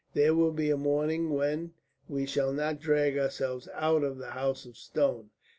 "There will be a morning when we shall not drag ourselves out of the House of Stone.